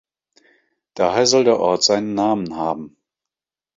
Daher soll der Ort seinen Namen haben.